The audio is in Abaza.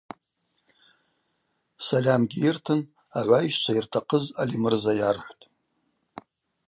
Сальамгьи йыртын агӏвайщчва йыртахъыз Алимырза йархӏвтӏ.